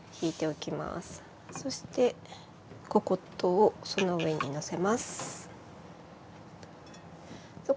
そしてココットをその上にのせます。